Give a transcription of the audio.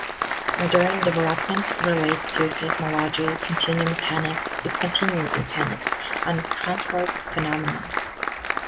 Modern developments relate to seismology, continuum mechanics, discontinuum mechanics, and transport phenomena.